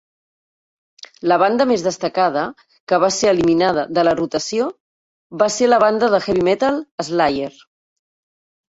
La banda més destacada que va ser eliminada de la rotació va ser la banda de heavy metal, Slayer.